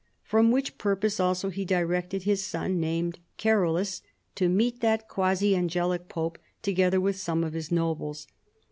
For which purpose also he directed his son, named Carolus, to meet that quasi angelic pope, together with some of his nobles.